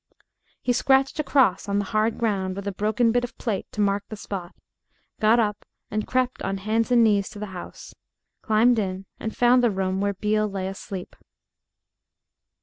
He scratched a cross on the hard ground with a broken bit of a plate to mark the spot, got up and crept on hands and knees to the house, climbed in and found the room where Beale lay asleep.